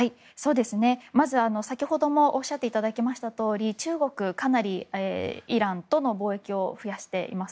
まず先ほどもおっしゃっていただいたように中国はかなりイランとの貿易を増やしています。